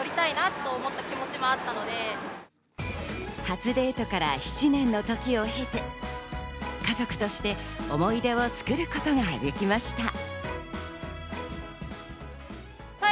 初デートから７年の時を経て、家族として思い出を作ることができました。